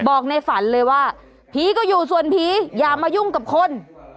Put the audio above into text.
ในฝันเลยว่าผีก็อยู่ส่วนผีอย่ามายุ่งกับคน